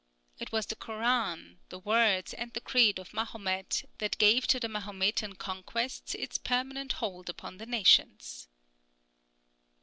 It was the Koran the words, and the creed of Mahomet that gave to the Mahometan conquest its permanent hold upon the nations.